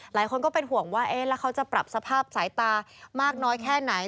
หลายคนก็เป็นห่วงว่าเอ๊ะแล้วเขาจะปรับสภาพสายตามากน้อยแค่ไหน